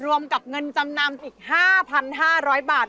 รวมกับเงินจำนำอีก๕๕๐๐บาท